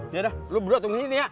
yaudah lo berdua tunggu di sini ya